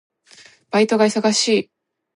バイトが忙しい。